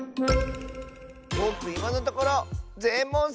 ぼくいまのところぜん